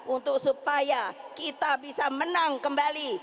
untuk supaya kita bisa menang kembali